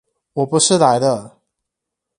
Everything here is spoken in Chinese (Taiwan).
我不是來了！